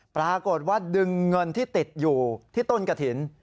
ปรากฏว่าดึงเงินที่ติดอยู่ที่ต้นกระถิ่น